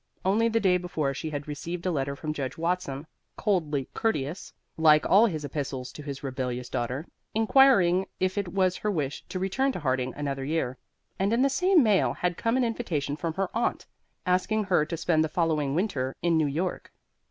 Only the day before she had received a letter from Judge Watson, coldly courteous, like all his epistles to his rebellious daughter, inquiring if it was her wish to return to Harding another year, and in the same mail had come an invitation from her aunt, asking her to spend the following winter in New York.